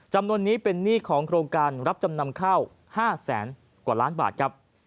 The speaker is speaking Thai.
จำนวนนี้เป็นหนี้ของโครงการรับจำนำข้าว๕แสนกว่าล้านบาทครับ